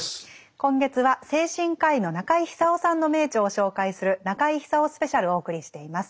今月は精神科医の中井久夫さんの名著を紹介する「中井久夫スペシャル」をお送りしています。